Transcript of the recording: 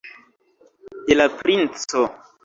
de la princo.